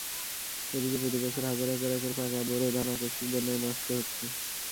এদিকে প্রতিবছর হাজার হাজার একর পাকা বোরো ধান আকস্মিক বন্যায় নষ্ট হচ্ছে।